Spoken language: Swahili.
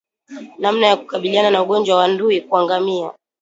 Namna ya kukabiliana na ugonjwa wa ndui kwa ngamia